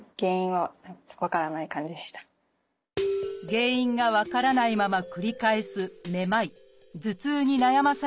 原因が分からないまま繰り返すめまい頭痛に悩まされた織田さん。